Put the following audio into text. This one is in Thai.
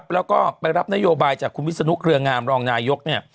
แล้วก็ไปรับนโยบายจากคุณวิศนุเครืองามรองนายก